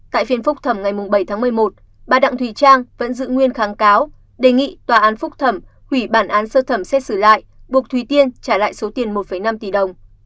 tại phiên phúc thẩm ngày bảy tháng một mươi một bà đặng thùy trang vẫn giữ nguyên kháng cáo đề nghị tòa án phúc thẩm hủy bản án sơ thẩm xét xử lại buộc thùy tiên trả lại số tiền một năm tỷ đồng